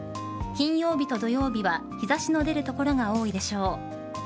金曜日と土曜日は日差しの出る所が多いでしょう。